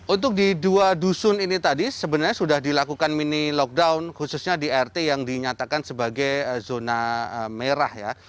untuk di dua dusun ini tadi sebenarnya sudah dilakukan mini lockdown khususnya di rt yang dinyatakan sebagai zona merah ya